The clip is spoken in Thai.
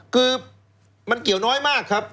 คือมันเกี่ยวน้อยมาก